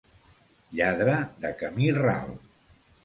Lladre de camí ral.